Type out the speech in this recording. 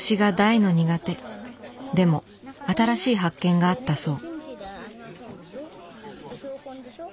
でも新しい発見があったそう。